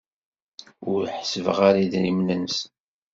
Ur ḥessbeɣ ara idrimen-nsen.